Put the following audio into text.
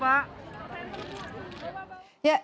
pak pak lihat sini pak